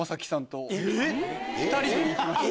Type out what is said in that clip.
２人で行きました。